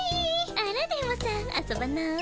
あら電ボさん遊ばない？